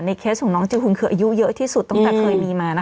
เคสของน้องจิคุณคืออายุเยอะที่สุดตั้งแต่เคยมีมานะคะ